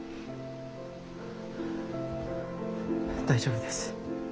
大丈夫です。